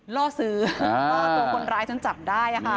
ล่อซื้อล่อตัวคนร้ายจนจับได้ค่ะ